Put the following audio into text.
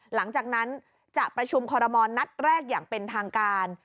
หลังจากนั้นจะประชุมคอรมณ์นัดแรกอย่างเป็นทางการ